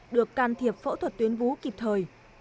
được can thiệp phẫu thuật tuyến vú kịp thời